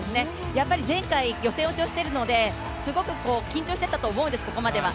やっぱり前回、予選落ちをしてるのですごく緊張してたんだと思うんです、ここまでは。